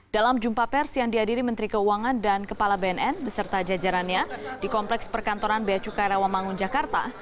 dalam jumpa pers yang dihadiri menteri keuangan dan kepala bnn beserta jajarannya di kompleks perkantoran beacukai rawamangun jakarta